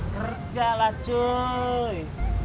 kerja lah cuy